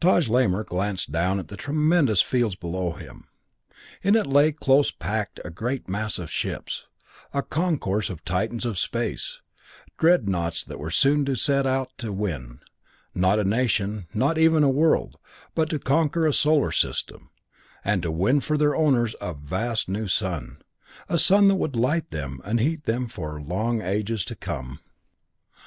VI Taj Lamor gazed down at the tremendous field below him. In it lay close packed a great mass of ships, a concourse of Titans of Space, dreadnoughts that were soon to set out to win not a nation, not even a world, but to conquer a solar system, and to win for their owners a vast new sun, a sun that would light them and heat them for long ages to come.